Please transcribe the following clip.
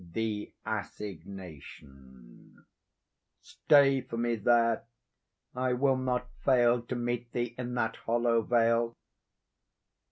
THE ASSIGNATION Stay for me there! I will not fail. To meet thee in that hollow vale.